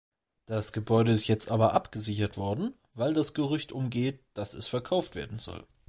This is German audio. Das Gebäude ist jetzt aber abgesichert worden, weil das Gerücht umgeht, dass es verkauft werden soll.